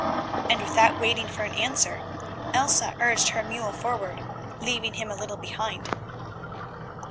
And without waiting for an answer Elsa urged her mule forward, leaving him a little behind.